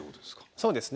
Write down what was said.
そうですね。